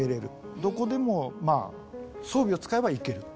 どこでも装備を使えば行けると。